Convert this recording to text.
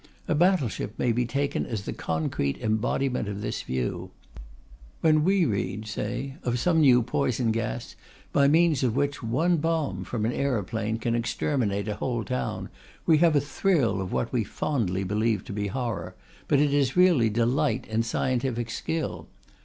A battleship may be taken as the concrete embodiment of this view. When we read, say, of some new poison gas by means of which one bomb from an aeroplane can exterminate a whole town, we have a thrill of what we fondly believe to be horror, but it is really delight in scientific skill.